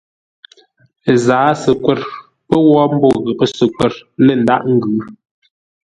Ə́ zǎa səkwə̂r pə̂ wó mbó ghəpə́ səkwə̂r lə̂ ndághʼ ngʉ̌.